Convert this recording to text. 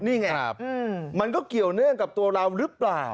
นี่ไงมันก็เกี่ยวเนื่องกับตัวเราหรือเปล่า